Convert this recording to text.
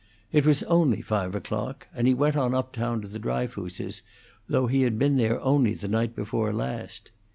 It was only five o'clock, and he went on up town to the Dryfooses', though he had been there only the night before last.